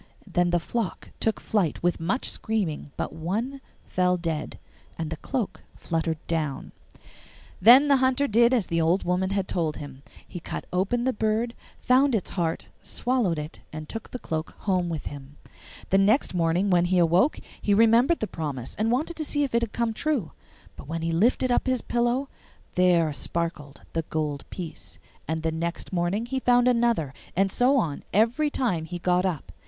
Then the flock took flight with much screaming, but one fell dead, and the cloak fluttered down. Then the Hunter did as the old woman had told him: he cut open the bird, found its heart, swallowed it, and took the cloak home with him. The next morning when he awoke he remembered the promise, and wanted to see if it had come true. But when he lifted up his pillow, there sparkled the gold piece, and the next morning he found another, and so on every time he got up.